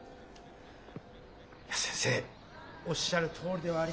先生おっしゃるとおりではありますが。